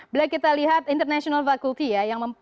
bila kita lihat international fakulti ya